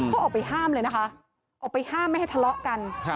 เขาออกไปห้ามเลยนะคะออกไปห้ามไม่ให้ทะเลาะกัน